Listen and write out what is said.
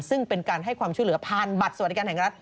ซึ่งเป็นการให้ความช่วยเหลือผ่านบัตรสวัสดิการแห่งรัฐ